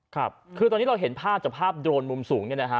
ครับคือตอนนี้เราเห็นภาพจากภาพโดรนมุมสูงเนี่ยนะฮะ